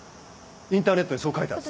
インターネットにそう書いてあった。